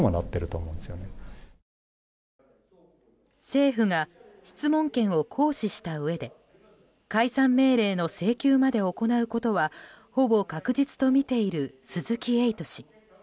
政府が質問権を行使したうえで解散命令の請求まで行うことはほぼ確実とみている鈴木エイト氏。